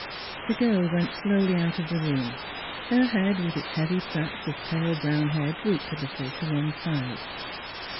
The girl went slowly out of the room, her head with its heavy plaits of pale brown hair drooped a little to one side.